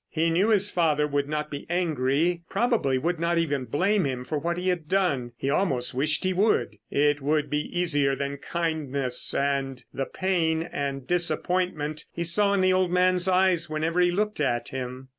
He knew his father would not be angry, probably would not even blame him for what he had done. He almost wished he would. It would be easier than kindness and the pain and disappointment he saw in the old man's eyes whenever he looked at him.